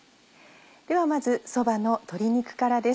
ではまずそばの鶏肉からです。